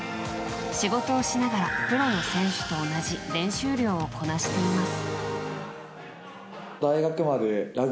仕事をしながらプロの選手と同じ練習量をこなしています。